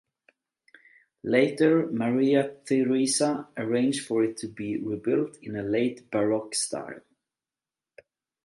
Later Maria Theresa arranged for it to be rebuilt in late Baroque style.